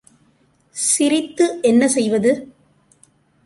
சிரித்து என்ன செய்வது?